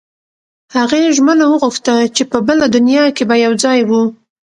هغې ژمنه وغوښته چې په بله دنیا کې به یو ځای وو